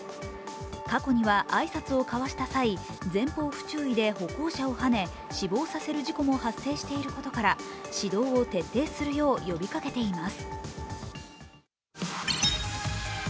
過去には挨拶を交わした際、前方不注意で歩行者をはね、死亡させる事故も発生していることから指導を徹底するよう呼びかけています。